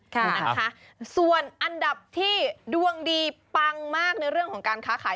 ค่ะนะคะส่วนอันดับที่ดวงดีปังมากในเรื่องของการค้าขาย